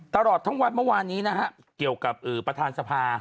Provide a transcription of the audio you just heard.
ตลอดทั้งวันเมื่อวานนี้นะฮะเกี่ยวกับประธานสภา